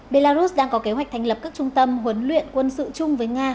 belarus đang có kế hoạch thành lập các trung tâm huấn luyện quân sự chung với nga